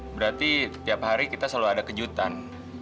berarti tiap hari kita selalu ada kejutan